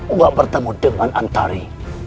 uwamu bertemu dengan antari